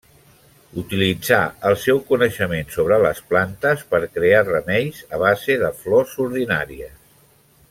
Utilitzà el seu coneixement sobre les plantes per crear remeis a base de flors ordinàries.